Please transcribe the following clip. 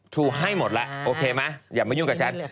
ให้หมดแล้วโอเคไหมอย่ามายุ่งกับฉัน